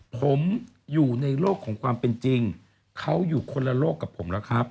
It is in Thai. ผมอยู่ในโลกของความเป็นจริงเขาอยู่คนละโลกกับผมแล้วครับ